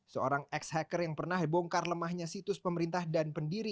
seorang ex hacker yang pernah hebongkar lemahnya situs pemerintah dan pendiri